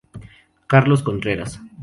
Carlos Contreras.